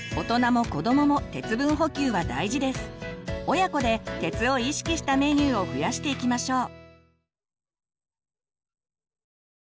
親子で鉄を意識したメニューを増やしていきましょう。